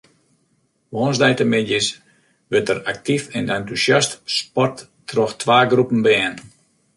Woansdeitemiddeis wurdt der aktyf en entûsjast sport troch twa groepen bern.